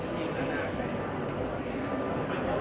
ขอบคุณทุกคนมากครับที่ทุกคนรัก